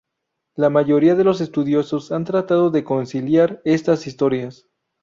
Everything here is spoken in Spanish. La mayoría de los estudiosos ha tratado de conciliar estas historias.